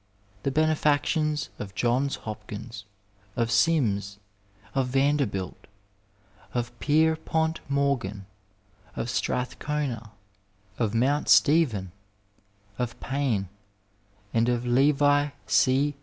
The benefactions of Johns Hopkins, of Sims, of Vanderbilt, of Pierpont Morgan, of Strathcona, of Mount Stephen, of Payne, and of Levi C.